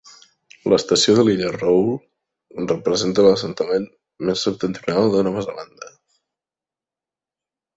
L'estació de l'illa Raoul representa l'assentament més septentrional de Nova Zelanda.